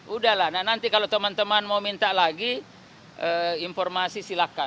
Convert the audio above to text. udahlah nanti kalau teman teman mau minta lagi informasi silahkan